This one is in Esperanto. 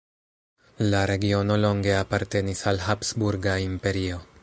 La regiono longe apartenis al Habsburga Imperio.